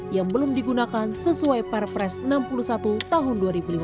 yang belum digunakan sesuai perpres enam puluh satu tahun dua ribu lima belas